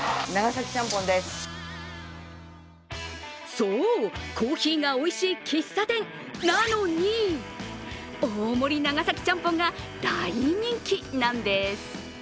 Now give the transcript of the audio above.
そう、コーヒーがおいしい喫茶店なのに、大盛り長崎ちゃんぽんが大人気なんです。